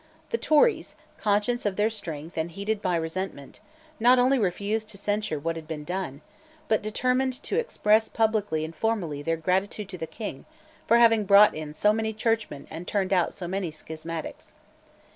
The Tories, conscious of their strength, and heated by resentment, not only refused to censure what had been done, but determined to express publicly and formally their gratitude to the King for having brought in so many churchmen and turned out so many schismatics.